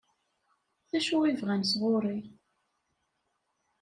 D acu i bɣan sɣur-i?